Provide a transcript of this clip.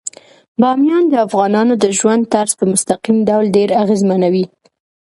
بامیان د افغانانو د ژوند طرز په مستقیم ډول ډیر اغېزمنوي.